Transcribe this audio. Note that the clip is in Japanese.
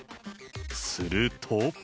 すると。